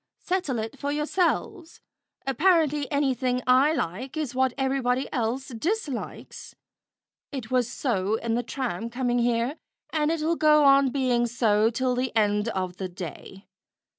"Settle it for yourselves. Apparently anything I like is what everybody else dislikes. It was so in the tram coming here, and it'll go on being so till the end of the day.